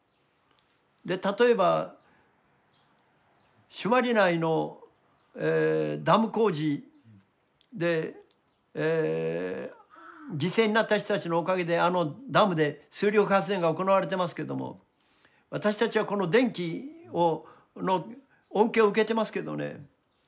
例えば朱鞠内のダム工事で犠牲になった人たちのおかげであのダムで水力発電が行われてますけども私たちはこの電気の恩恵を受けてますけれどね